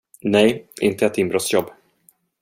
Nej, inte ett inbrottsjobb.